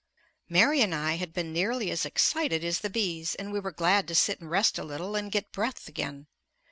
Mary and I had been nearly as excited as the bees, and we were glad to sit and rest a little and get breath again.